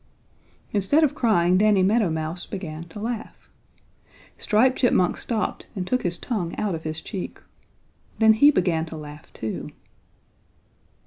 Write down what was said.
Instead of crying Danny Meadow Mouse began to laugh. Striped Chipmunk stopped and took his tongue out of his cheek. Then he began to laugh too.